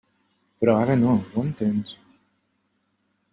Però ara no, ho entens?